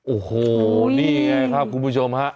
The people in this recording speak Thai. โอ้โหนี่ไงครับคุณผู้ชมฮะ